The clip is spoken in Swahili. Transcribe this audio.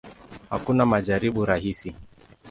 Hakuna majibu rahisi.